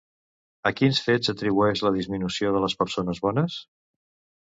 A quins fets atribueix la disminució de les persones bones?